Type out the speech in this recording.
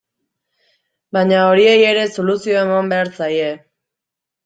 Baina horiei ere soluzioa eman behar zaie.